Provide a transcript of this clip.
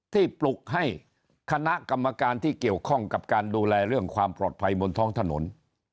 ปลุกให้คณะกรรมการที่เกี่ยวข้องกับการดูแลเรื่องความปลอดภัยบนท้องถนน